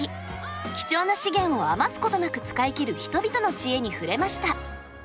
貴重な資源を余すことなく使い切る人々の知恵に触れました。